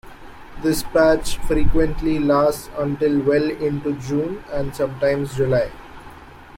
This patch frequently lasts until well into June and sometimes July.